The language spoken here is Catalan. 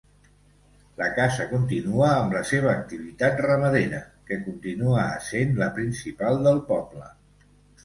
La casa continua amb la seva activitat ramadera, que continua essent la principal del poble.